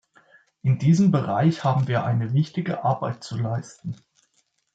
In diesem Bereich haben wir eine wichtige Arbeit zu leisten.